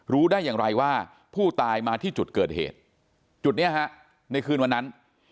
ได้อย่างไรว่าผู้ตายมาที่จุดเกิดเหตุจุดนี้ฮะในคืนวันนั้น